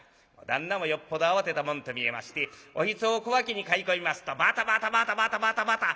旦那もよっぽど慌てたもんと見えましておひつを小脇にかい込みますとバタバタバタバタバタバタ。